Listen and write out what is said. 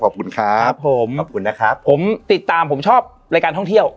ขอบคุณครับครับผมขอบคุณนะครับผมติดตามผมชอบรายการท่องเที่ยว